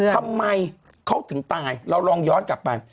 ทำไมเขาถึงตายเราลองย้อนกลับไป